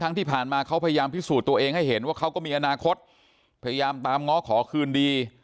ที่ผ่านมาเขาพยายามพิสูจน์ตัวเองให้เห็นว่าเขาก็มีอนาคตพยายามตามง้อขอคืนดี